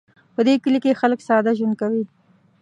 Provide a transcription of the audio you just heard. په دې کلي کې خلک ساده ژوند کوي